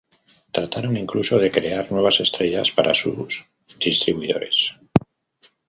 Trataron incluso de crear nuevas estrellas para sus distribuidores.